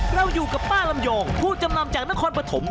เราอยู่กับป้าลำยองผู้จำนำจากนครปฐม